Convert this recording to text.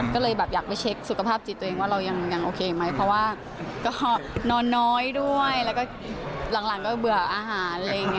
ก็เลยแบบอยากไปเช็คสุขภาพจิตตัวเองว่าเรายังโอเคไหมเพราะว่าก็นอนน้อยด้วยแล้วก็หลังก็เบื่ออาหารอะไรอย่างนี้